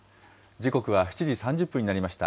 時刻は７時３０分になりました。